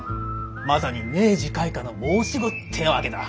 まさに明治開化の申し子ってわけだ。